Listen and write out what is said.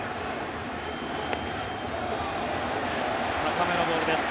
高めのボールです。